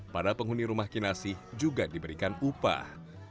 para penghuni rumah kinasi juga diberikan upah